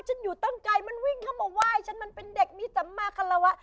ฉันอยู่ตั้งไกลมันวิ่งเข้ามาไหว้ฉันมันเป็นเด็กมีสัมมาคารวะ